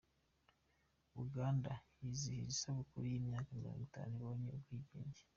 Uganda yizihije isabukuru y’imyaka mirongo itanu ibonye ubwigenge